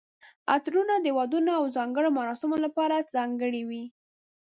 عطرونه د ودونو او ځانګړو مراسمو لپاره ځانګړي وي.